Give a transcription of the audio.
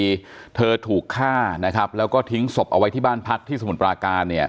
ถ้าเธอถูกฆ่าแล้วก็ทิ้งสบเอาไว้ที่บ้านพักที่สมุทรปราการ